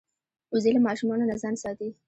وزې له ماشومانو نه ځان ساتي